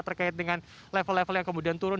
terkait dengan level level yang kemudian turun